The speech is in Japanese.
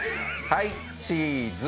はい、チーズ。